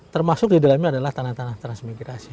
termasuk didalamnya adalah tanah tanah transmigrasi